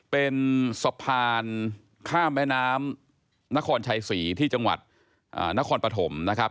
เป็นสะพานข้ามแม่น้ำนครชัยศรีที่จังหวัดนครปฐมนะครับ